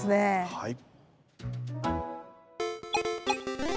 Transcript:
はい。